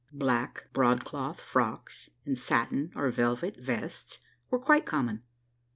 Black broad cloth frocks, and satin or velvet vests, were quite common.